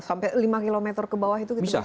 sampai lima km ke bawah itu kita bisa